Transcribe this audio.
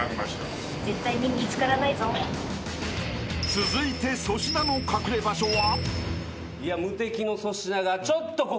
［続いて粗品の隠れ場所は？］